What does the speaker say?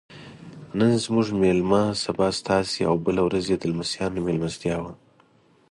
نن زموږ میلمه سبا ستاسې او بله ورځ یې د لمسیانو میلمستیا وه.